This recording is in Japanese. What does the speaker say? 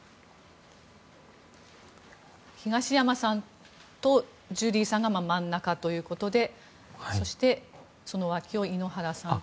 東山さんとジュリーさんが真ん中ということでそして、その脇を井ノ原さんと。